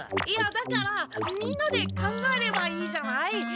いやだからみんなで考えればいいじゃない？